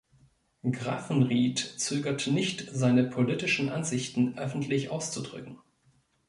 Graffenried zögert nicht, seine politischen Ansichten öffentlich auszudrücken.